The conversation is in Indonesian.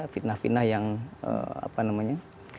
fitnah fitnah yang apa namanya